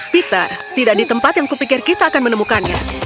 peter tidak di tempat yang kupikir kita akan menemukannya